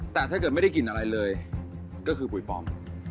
แต่ถ้าเกิดไม่ได้กินอะไรเลยก็คือปุ๋ยปลอม